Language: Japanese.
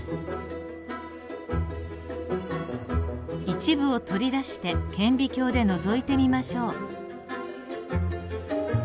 一部を取り出して顕微鏡でのぞいてみましょう。